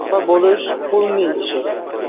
• Xafa bo‘lish — qulning ishi.